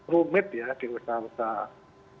rumit ya di usaha usaha